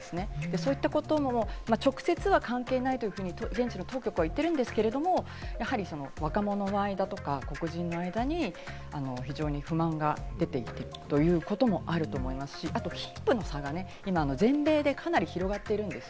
そうしたことも直接は関係ないというふうに現地当局は言っているんですけれども、やはり若者の間、黒人の間に非常に不満が出ているということもあると思いますし、あと貧富の差が全米でかなり広がっているんです。